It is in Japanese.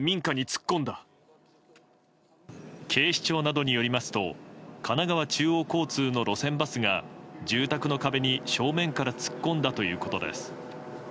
警視庁などによりますと神奈川中央交通の路線バスが住宅の壁に正面から突っ込んだということです。